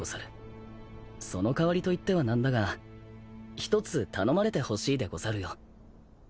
その代わりといってはなんだが一つ頼まれてほしいでござるよ。